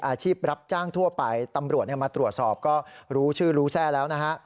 อาชีพรับจ้างทั่วไปตำรวจมาตรวจสอบก็รู้ชื่อรู้แทร่แล้วนะฮะ